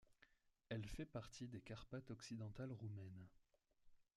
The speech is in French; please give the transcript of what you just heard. Elle fait partie des Carpates occidentales roumaines.